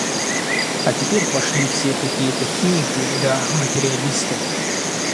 А теперь пошли все какие-то химики да материалисты.